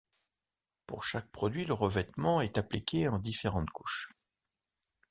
Pour chaque produit, le revêtement est appliqué en différentes couches.